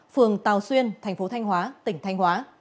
phường tàu xuyên tp thanh hóa tỉnh thanh hóa